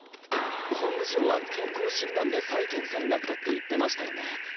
本部長は健康診断で再検査になったって言ってましたよね。